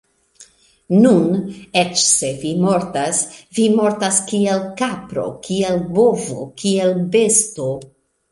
Nun, eĉ se vi mortas, vi mortas kiel kapro, kiel bovo, kiel besto.